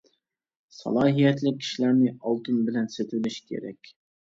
سالاھىيەتلىك كىشىلەرنى ئالتۇن بىلەن سېتىۋېلىش كېرەك.